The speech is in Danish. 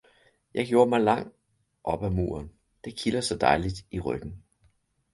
Jeg gjorde mig lang op ad muren, det kilder så dejligt i ryggen